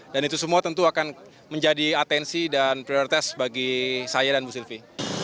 dan itu semua tentu akan menjadi atensi dan prioritas bagi saya dan bu silvi